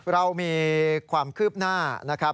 เรามีความคืบหน้านะครับ